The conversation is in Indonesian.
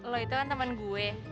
lo itu kan temen gue